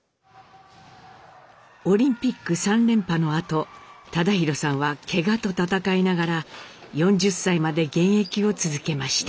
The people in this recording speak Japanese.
オリンピック３連覇のあと忠宏さんはケガと闘いながら４０歳まで現役を続けました。